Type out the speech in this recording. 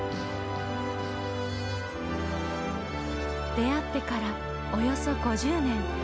出会ってからおよそ５０年。